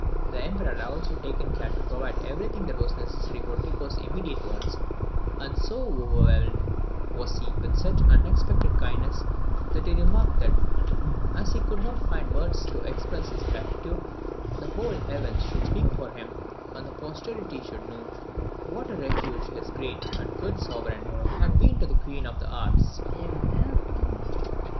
The Emperor had also taken care to provide every thing that was necessary for Tycho's immediate wants; and so overwhelmed was he with such unexpected kindness, that he remarked that, as he could not find words to express his gratitude, the whole heavens would speak for him, and posterity should know what a refuge his great and good Sovereign had been to the Queen of the Arts.